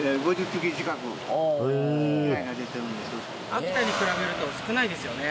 秋田に比べると少ないですよね。